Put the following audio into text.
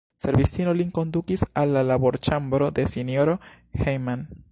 Servistino lin kondukis al la laborĉambro de S-ro Jehman.